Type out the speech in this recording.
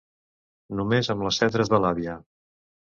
Només amb les cendres de l'àvia.